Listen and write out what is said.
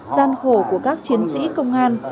gian khổ của các chiến sĩ công an